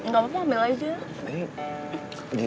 gak apa apa ambil aja